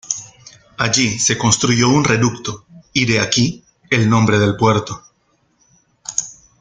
Allí se construyó un reducto y de aquí el nombre del puerto.